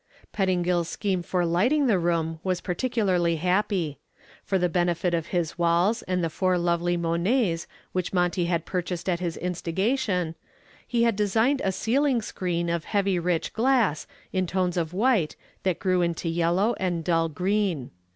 Pettingill's scheme for lighting the room was particularly happy. For the benefit of his walls and the four lovely Monets which Monty had purchased at his instigation, he had designed a ceiling screen of heavy rich glass in tones of white that grew into yellow and dull green.